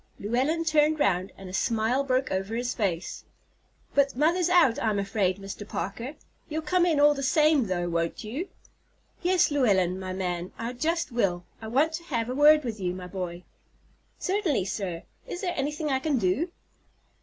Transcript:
Llewellyn turned round, and a smile broke over his face. "But mother's out, I am afraid, Mr. Parker. You'll come in all the same though, won't you?" "Yes, Llewellyn, my man, I just will. I want to have a word with you, my boy." "Certainly, sir. Is there anything I can do?"